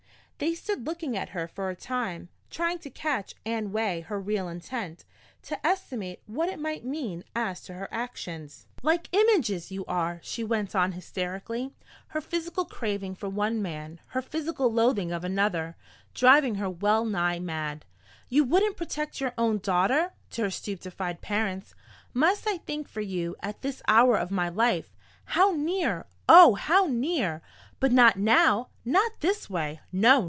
They stood looking at her for a time, trying to catch and weigh her real intent, to estimate what it might mean as to her actions. "Like images, you are!" she went on hysterically, her physical craving for one man, her physical loathing of another, driving her well nigh mad. "You wouldn't protect your own daughter!" to her stupefied parents. "Must I think for you at this hour of my life? How near oh, how near! But not now not this way! No!